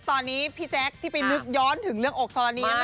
ตอนนี้พี่แจ๊คที่ไปนึกย้อนถึงเรื่องอกธรณีนะคะ